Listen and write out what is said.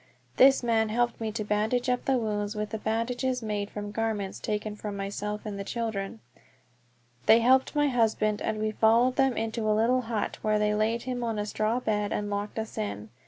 This man helped me to bandage up the wounds with bandages made from garments taken from myself and the children. They helped my husband, and we followed them into a little hut, where they laid him on a straw bed and locked us in.